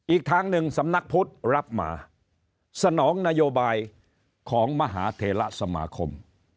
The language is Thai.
อีกทางหนึ่งสำนักพุทธรับมาสนองนโยบายของมหาเทระสมาคม